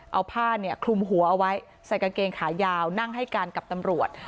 เอาผ้าเนี่ยคลุมหัวเอาไว้ใส่กางเกงขายาวนั่งให้การกับตำรวจ